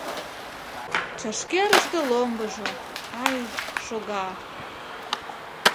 Чашкерыште ломбыжо, ай, шога.